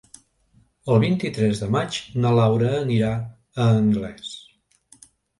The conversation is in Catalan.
El vint-i-tres de maig na Laura anirà a Anglès.